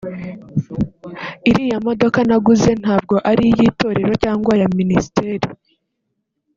Iriya modoka naguze ntabwo ari iy’Itorero cyangwa ya Ministeri